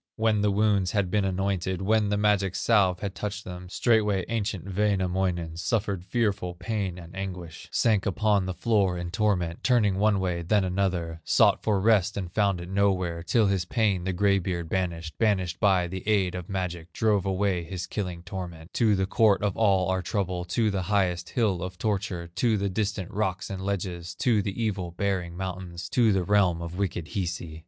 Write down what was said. When the wounds had been anointed, When the magic salve had touched them, Straightway ancient Wainamoinen Suffered fearful pain and anguish, Sank upon the floor in torment, Turning one way, then another, Sought for rest and found it nowhere, Till his pain the gray beard banished, Banished by the aid of magic, Drove away his killing torment To the court of all our trouble, To the highest hill of torture, To the distant rocks and ledges, To the evil bearing mountains, To the realm of wicked Hisi.